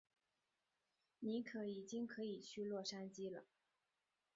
尼可已经可以去洛杉矶了。